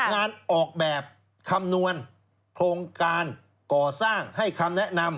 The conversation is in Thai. งานออกแบบคำนวณโครงการก่อสร้างให้คำแนะนำ